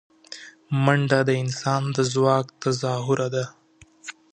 منډه د انسان د ځواک تظاهره ده